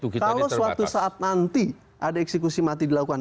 kalau suatu saat nanti ada eksekusi mati dilakukan